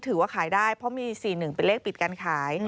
ถือว่าขายได้เพราะมี๔๑เป็นเลขปิดการขาย